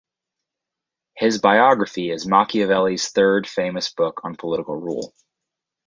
His biography is Machiavelli's third famous book on political rule.